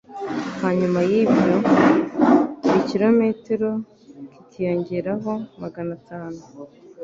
hanyuma y'ibyo buri kirometero kikiyongeraho magana tanu.